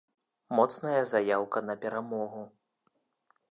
Моцная заяўка на перамогу!